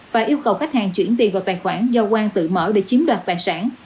và yêu cầu khách hàng chuyển tiền vào tài khoản do quan tự mở để chiếm đoạt bản sản